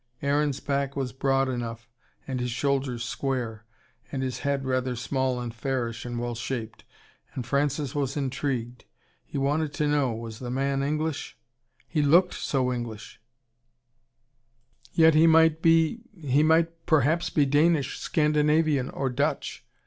Aaron's back was broad enough, and his shoulders square, and his head rather small and fairish and well shaped and Francis was intrigued. He wanted to know, was the man English. He looked so English yet he might be he might perhaps be Danish, Scandinavian, or Dutch.